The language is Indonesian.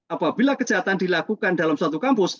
apabila kejahatan dilakukan dalam suatu kampus